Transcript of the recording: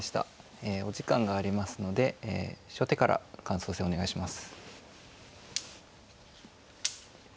えお時間がありますので初手から感想戦お願いします。